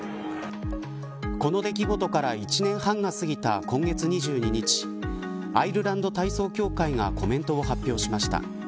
この出来事から１年半が過ぎた今月２２日アイルランド体操協会がコメントを発表しました。